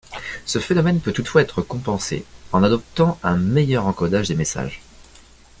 Ce phénomène peut toutefois être compensé en adoptant un meilleur encodage des messages.